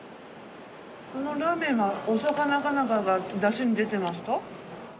このラーメンはお魚か何かがだしに出てますか？